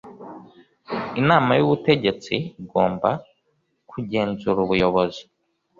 inama y ubutegesti igomba kugenzura ubuyobozi